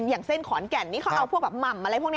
อย่างเช่นขอนแก่นนี่เขาเอาพวกแบบหม่ำอะไรพวกนี้